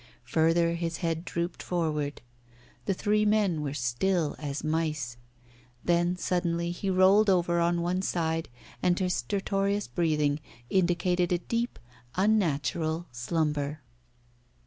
Further his head drooped forward. The three men were still as mice. Then suddenly he rolled over on one side, and his stertorous breathing indicated a deep, unnatural slumber.